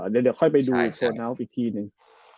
เดี๋ยวค่อยไปดูโซนัลอีกทีนึง